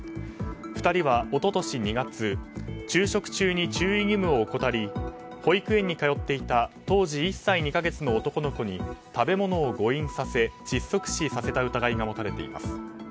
２人は一昨年２月昼食中に注意義務を怠り保育園に通っていた当時１歳の男の子に食べ物を誤飲させ窒息死させた疑いが持たれています。